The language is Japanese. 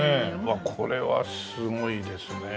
これはすごいですね。